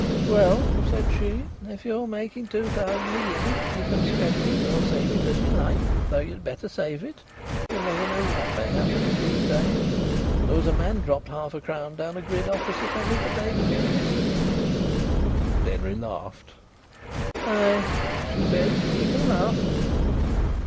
"Well," said she, "if you're making two thousand a year, ye can spend it or save it as ye like, though ye'd better save it. Ye never know what may happen in these days. There was a man dropped half a crown down a grid opposite only the day before yesterday." Denry laughed. "Ay!" she said; "ye can laugh."